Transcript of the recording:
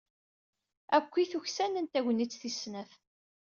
Akkit uksanen tagnit tis snat.